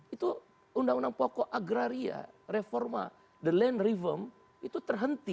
itu undang undang pokok agraria reforma the land reform itu terhenti